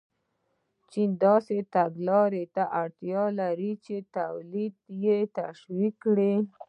چین داسې تګلارو ته اړتیا لرله چې تولید یې تشویق کړي.